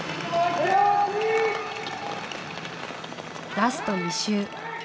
ラスト２周。